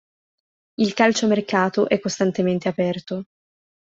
Il calciomercato è costantemente aperto.